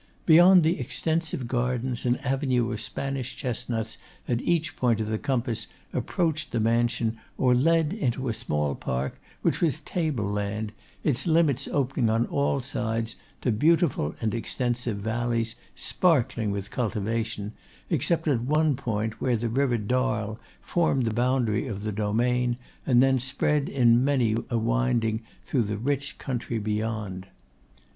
Beyond the extensive gardens an avenue of Spanish chestnuts at each point of the compass approached the mansion, or led into a small park which was table land, its limits opening on all sides to beautiful and extensive valleys, sparkling with cultivation, except at one point, where the river Darl formed the boundary of the domain, and then spread in many a winding through the rich country beyond.